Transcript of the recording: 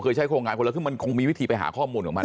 ใช้โครงงานคนละครึ่งมันคงมีวิธีไปหาข้อมูลของมัน